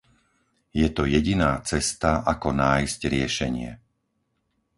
Je to jediná cesta, ako nájsť riešenie.